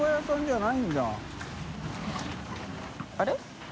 あれ？